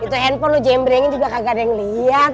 tentu handphone lo jembrengin juga kagak ada yang liat